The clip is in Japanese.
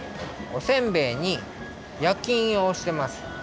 おせんべいにやきいんをおしてます。